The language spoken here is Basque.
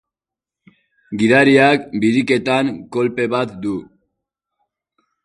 Gidariak biriketan kolpe bat du.